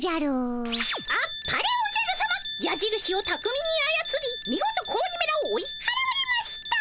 あっぱれおじゃるさま。やじるしをたくみにあやつりみごと子鬼めらを追いはらわれました。